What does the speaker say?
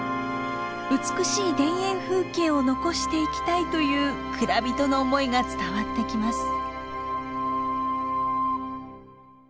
美しい田園風景を残していきたいという蔵人の思いが伝わってきます。